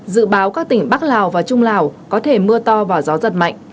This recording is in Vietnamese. dự báo các tỉnh bắc lào và trung lào có thể mưa to và gió giật mạnh